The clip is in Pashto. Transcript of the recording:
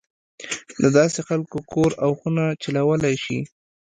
دداسې خلک کور او خونه چلولای شي.